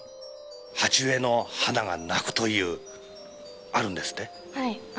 鉢植えの花が鳴くという、はい、あるんです。